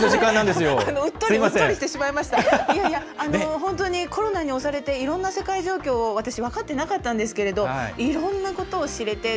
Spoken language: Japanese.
本当にコロナに押されていろんな世界状況が私、分かっていなかったんですがいろんなことを知れて。